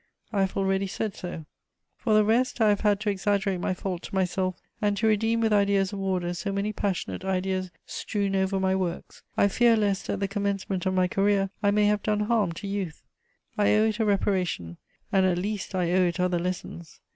I have already said so. For the rest, I have had to exaggerate my fault to myself, and to redeem with ideas of order so many passionate ideas strewn over my works. I fear lest, at the commencement of my career, I may have done harm to youth; I owe it a reparation, and at least I owe it other lessons.